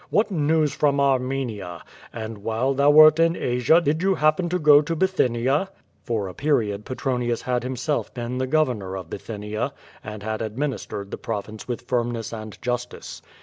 "What news from Armenia? And while thou wert in Asia did you happen to go to Bithynia?" For a period Petronius had himself been the governor of Bithynia, and had administered the province with firmness and justice.